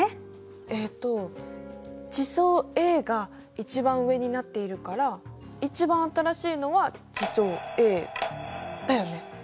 えっと地層Ａが一番上になっているから一番新しいのは地層Ａだよね？